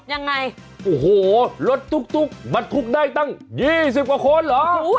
ยังไงโอ้โหรถตุ๊กบรรทุกได้ตั้งยี่สิบกว่าคนเหรอ